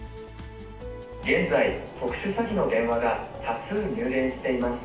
現在、特殊詐欺の電話が多数入電しています。